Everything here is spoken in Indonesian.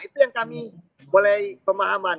itu yang kami mulai pemahaman